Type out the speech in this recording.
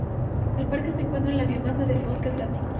El parque se encuentra en la biomasa de Bosque Atlántico.